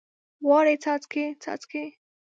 غواړي څاڅکي، څاڅکي